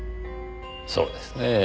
そうですねぇ。